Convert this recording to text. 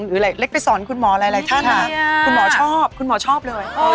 หรือเล็กไปสอนคุณหมอหลายท่านคุณหมอชอบคุณหมอชอบเลย